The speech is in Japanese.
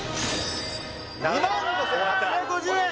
２万５８５０円！